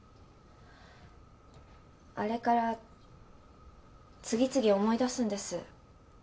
あれから次々思い出すんです。